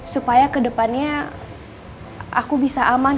supaya kedepannya aku bisa aman